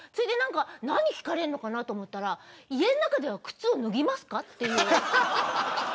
何を聞かれるのかなと思ったら家の中では靴を脱ぎますかって。